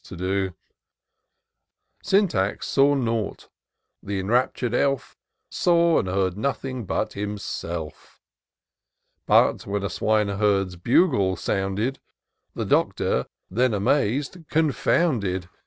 238 TOUR OF DOCTOR SYNTAX Syntax heard nought ; the enraptnr'd elf Saw and heard nothing but himself: But, when a swineherd's bugle sounded. The Doctor then, amaz'd — confounded.